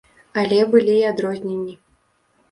Але былі і адрозненні.